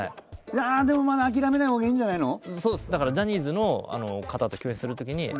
でもまだ諦めないほうがいいんじゃないの？